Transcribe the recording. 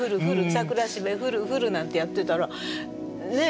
桜蘂降る降る」なんてやってたらねえ？